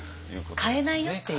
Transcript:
変えないよっていう。